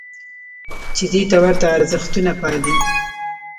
چې دې ته ورته ارزښتونه پالي.